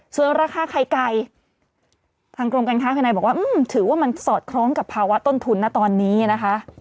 ส่วนราคาไข่ไก่ทางกรมการค้าภายในบอกว่าถือว่ามันสอดคล้องกับภาวะต้นทุนนะตอนนี้นะคะ